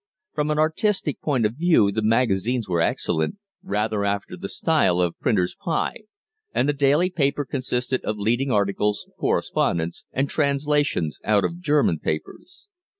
From an artistic point of view the magazines were excellent, rather after the style of Printer's Pie, and the daily paper consisted of leading articles, correspondence, and translations out of German papers.